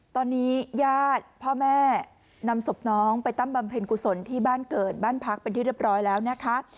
ตอนนี้ญาติพ่อแม่นำศพน้องไปตั้งบำเพ็ญกุศลที่บ้านเกิดบ้านพักเป็นที่เรียบร้อยแล้วนะคะ